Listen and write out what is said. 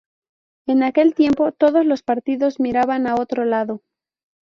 En aquel tiempo, todos los partidos miraban a otro lado.